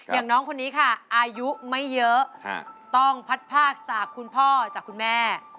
อย่างน้องคนนี้ค่ะอายุไม่เยอะต้องพัดภาคจากคุณพ่อจากคุณแม่